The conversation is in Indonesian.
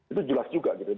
itu jelas juga gitu ya